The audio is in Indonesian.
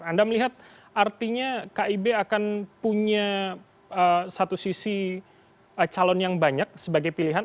anda melihat artinya kib akan punya satu sisi calon yang banyak sebagai pilihan